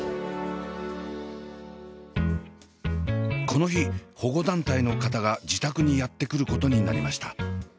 この日保護団体の方が自宅にやって来ることになりました。